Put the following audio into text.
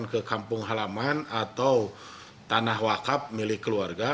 ke kampung halaman atau tanah wakaf milik keluarga